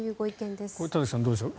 これは田崎さんどうでしょう。